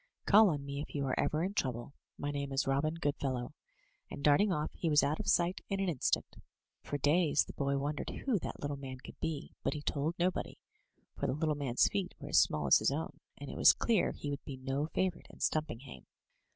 Call on me if you are ever in trouble; my name is Robin Goodfellow;" and darting off, he was out of sight in an 15 MY BOOK HOUSE instant. For days the boy wondered who that little man could be, but he told nobody, for the little man's feet were as small as his own, and it was clear he would be no favorite in Stump inghame.